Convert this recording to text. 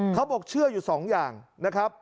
เขาบอกเชื่ออยู่สองอย่างนะครับ